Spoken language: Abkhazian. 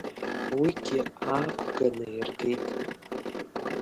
Уигьы аақәганы иргеит.